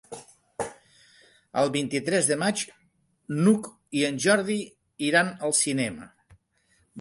El vint-i-tres de maig n'Hug i en Jordi iran al cinema.